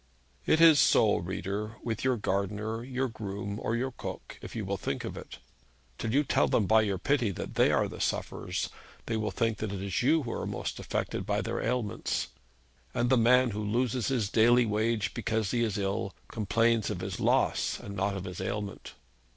It is so, reader, with your gardener, your groom, or your cook, if you will think of it. Till you tell them by your pity that they are the sufferers, they will think that it is you who are most affected by their ailments. And the man who loses his daily wage because he is ill complains of his loss and not of his ailment.